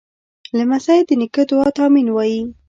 لمسی د نیکه دعا ته “امین” وایي.